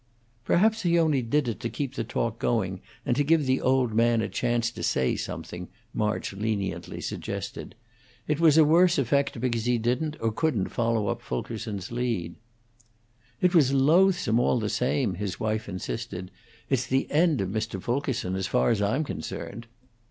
"Perhaps he only did it to keep the talk going, and to give the old man a chance to say something," March leniently suggested. "It was a worse effect because he didn't or couldn't follow up Fulkerson's lead." "It was loathsome, all the same," his wife insisted. "It's the end of Mr. Fulkerson, as far as I'm concerned."